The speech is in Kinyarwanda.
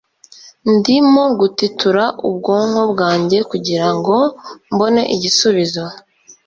Ndimo gutitura ubwonko bwanjye kugirango mbone igisubizo.